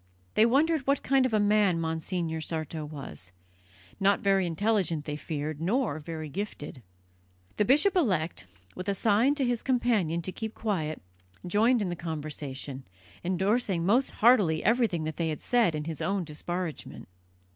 They wondered what kind of a man Monsignor Sarto was; not very intelligent, they feared, nor very gifted. The bishop elect, with a sign to his companion to keep quiet, joined in the conversation, endorsing most heartily everything that they said in his own disparagement.